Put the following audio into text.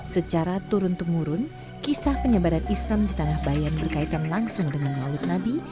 secara turun temurun kisah penyebaran islam di tanah bayan berkaitan langsung dengan maulid nabi